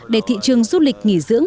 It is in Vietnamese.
để thị trường du lịch nghỉ dưỡng